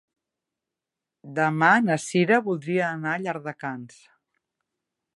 Demà na Sira voldria anar a Llardecans.